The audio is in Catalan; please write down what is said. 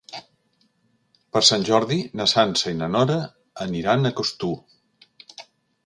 Per Sant Jordi na Sança i na Nora aniran a Costur.